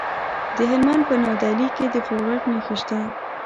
د هلمند په نادعلي کې د فلورایټ نښې شته.